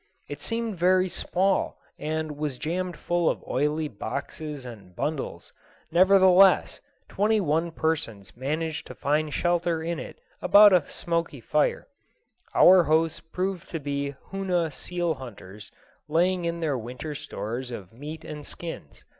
It seemed very small and was jammed full of oily boxes and bundles; nevertheless, twenty one persons managed to find shelter in it about a smoky fire. Our hosts proved to be Hoona seal hunters laying in their winter stores of meat and skins.